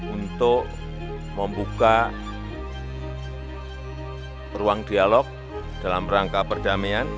untuk membuka ruang dialog dalam rangka perdamaian